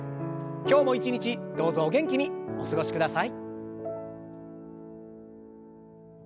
今日も一日どうぞお元気にお過ごしください。